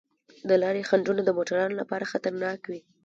د لارې خنډونه د موټروانو لپاره خطرناک وي.